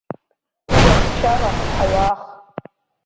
Куба ԥсшьара ҳауаах…